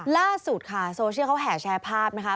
ล่าสุดค่ะโซเชียลเขาแห่แชร์ภาพนะคะ